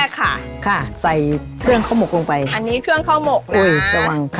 เครื่องสดทั้งหมดที่ของผันแล้วข้าฟัง